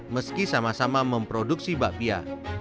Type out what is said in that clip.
meski sama sama memproduksi bakpia